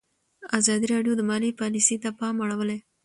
ازادي راډیو د مالي پالیسي ته پام اړولی.